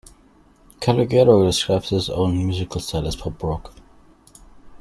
Calogero describes his own musical style as "pop rock".